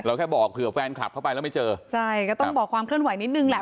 แค่บอกเผื่อแฟนคลับเข้าไปแล้วไม่เจอใช่ก็ต้องบอกความเคลื่อนไหวนิดนึงแหละ